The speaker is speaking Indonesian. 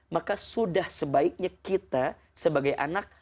maka sudah sebaiknya kita sebagai anak